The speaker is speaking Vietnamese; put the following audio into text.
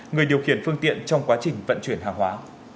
người điều khiển phương tiện trong quá trình vận chuyển hàng hóa